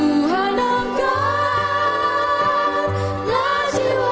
tuhan angkatlah jiwaku lebih dekat kepadamu